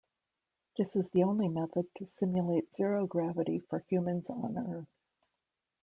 This is the only method to simulate zero gravity for humans on earth.